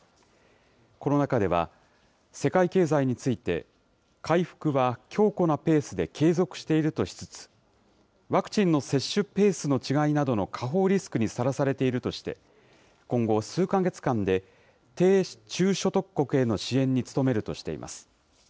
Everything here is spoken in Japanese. この中では、世界経済について、回復は強固なペースで継続しているとしつつ、ワクチンの接種ペースの違いなどの下方リスクにさらされているとして、今後、数か月間で、低・中所得国への支援に努めるとしています。